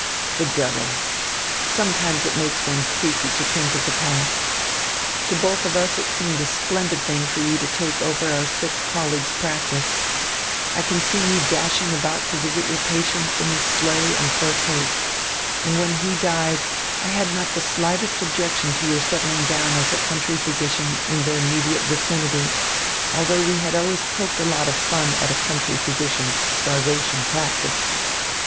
The devil! Sometimes it makes one creepy to think of the past. To both of us it seemed a splendid thing for you to take over our sick colleague's practice. I can see you dashing about to visit your patients in his sleigh and fur coat. And when he died, I had not the slightest objection to your settling down as a country physician in the immediate vicinity, although we had always poked a lot of fun at a country physician's starvation practice.